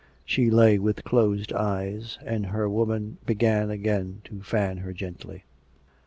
She lay with closed eyes, and her woman began again to fan her gently.